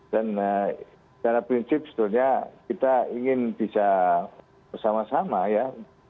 dan secara prinsip sebetulnya kita ingin bisa bersama sama ya